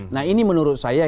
nah ini menurut saya